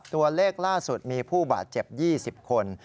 ตัวเลขล่าสุดมีผู้บาดเจ็บ๒๐คน